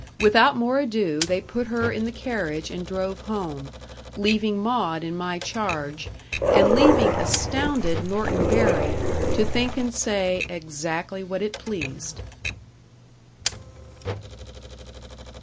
Without more ado, they put her in the carriage and drove home, leaving Maud in my charge, and leaving astounded Norton Bury to think and say exactly what it pleased.